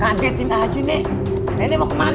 aduh gimana saya bercanda apamalsu